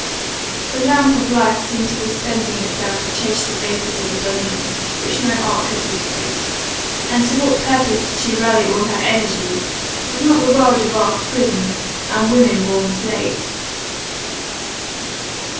The lamp of life seemed to be spending itself to chase the vapours of a dungeon which no art could dissipate. And to what purpose did she rally all her energy? Was not the world a vast prison, and women born slaves?